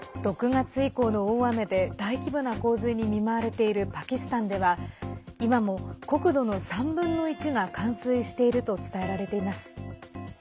６月以降の大雨で大規模な洪水に見舞われているパキスタンでは今も国土の３分の１が冠水していると伝えられています。